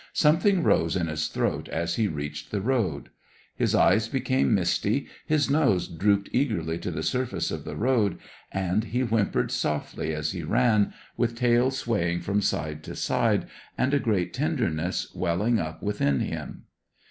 Something rose in his throat as he reached the road. His eyes became misty, his nose drooped eagerly to the surface of the road, and he whimpered softly as he ran, with tail swaying from side to side, and a great tenderness welling up within him.